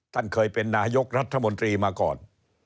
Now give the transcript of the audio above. ท่านเคยเป็นนายกรัฐมนตรีมาก่อน